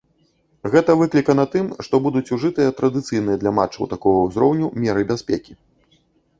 Гэта выклікана тым, што будуць ужытыя традыцыйныя для матчаў такога ўзроўню меры бяспекі.